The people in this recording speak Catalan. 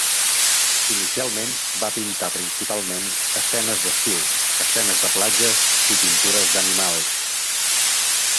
Inicialment va pintar principalment escenes d'estiu, escenes de platges i pintures d'animals.